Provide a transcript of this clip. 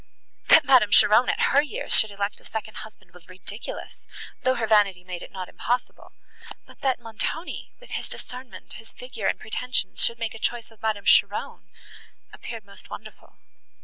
—That Madame Cheron at her years should elect a second husband was ridiculous, though her vanity made it not impossible; but that Montoni, with his discernment, his figure, and pretensions, should make a choice of Madame Cheron—appeared most wonderful.